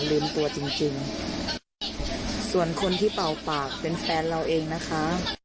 ลืมตัวจริงจริงส่วนคนที่เป่าปากเป็นแฟนเราเองนะคะ